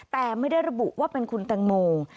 แต่ไม่ได้ระบุว่าเป็นคุณแตงโม